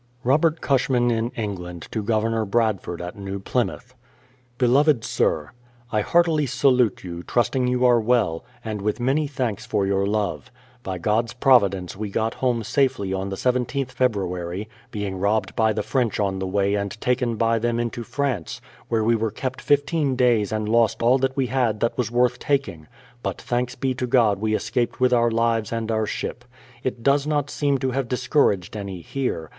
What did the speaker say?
Robert Cushman in England to Governor Bradford at New Plymouth: Beloved Sir, ' I heartily salute you, trusting you are well, and with many thanks for your love. By God's providence we got home safely on the 17th Feb., being robbed by the French on the way and taken by them into France, where we were kept 15 days and lost all that we had that was worth taking. But thanks be to God we escaped with our lives and our ship. It does not seem to have discouraged any here.